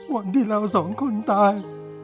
วันที่เราสองคนตาย